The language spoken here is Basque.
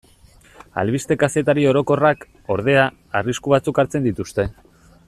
Albiste-kazetari orokorrak, ordea, arrisku batzuk hartzen dituzte.